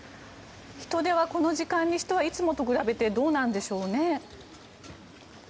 人出はこの時間にしてはいつもと比べてどうなんでしょうかね。